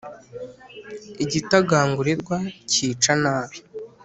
igitagangurirwa kica nabi,